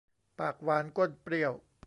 ปากหวานก้นเปรี้ยว